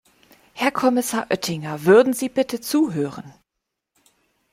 Herr Kommissar Oettinger, würden Sie bitte zuhören.